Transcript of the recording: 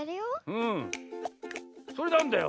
うん。それなんだよ？